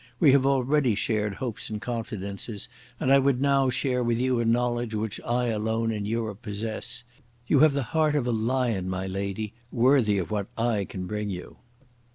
We have already shared hopes and confidences, and I would now share with you a knowledge which I alone in Europe possess. You have the heart of a lion, my lady, worthy of what I can bring you."